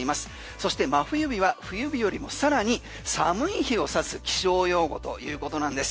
そして真冬日は冬日よりも更に寒い日を指す気象用語ということなんです。